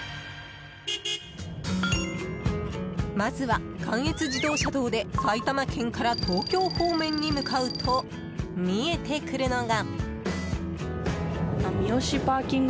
まずは、関越自動車道で埼玉県から東京方面に向かうと見えてくるのが。